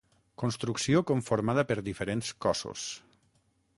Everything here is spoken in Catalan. Construcció conformada per diferents cossos.